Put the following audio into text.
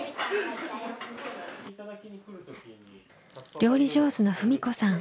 料理上手の文子さん。